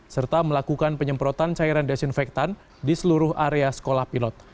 serta melakukan penyemprotan cairan desinfektan di seluruh area sekolah pilot